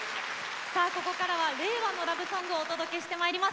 さあここからは令和のラブソングをお届けしてまいります。